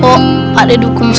kok pak dedukum sobrinya